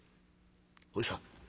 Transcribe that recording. おじさん